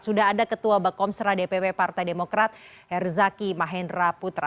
sudah ada ketua bakomserah dpp partai demokrat herzaki mahendra putra